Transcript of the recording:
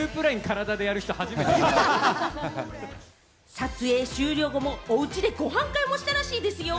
撮影終了後もおうちでご飯会もしたらしいですよ。